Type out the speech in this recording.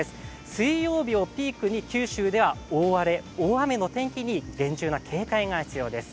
水曜日をピークに九州では大荒れ、大雨の天気に厳重な警戒が必要です。